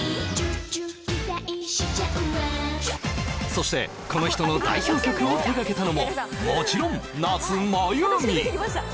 そしてこの人の代表曲を手がけたのももちろん夏まゆみ